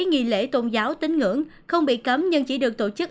nghỉ lễ tôn giáo tính ngưỡng không bị cấm nhưng chỉ được tổ chức